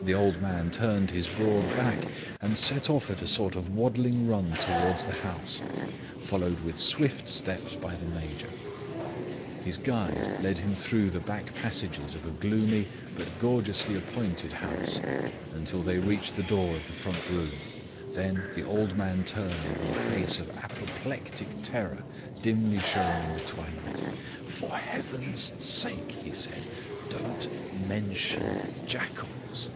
The old man turned his broad back and set off at a sort of waddling run towards the house, followed with swift steps by the Major. His guide led him through the back passages of a gloomy, but gorgeously appointed house, until they reached the door of the front room. Then the old man turned with a face of apoplectic terror dimly showing in the twilight. "For heaven's sake," he said, "don't mention jackals."